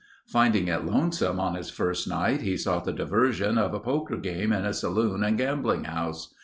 Finding it lonesome on his first night he sought the diversion of a poker game in a saloon and gambling house.